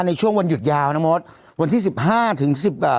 ในช่วงวันหยุดยาวนะมดวันที่สิบห้าถึงสิบเอ่อ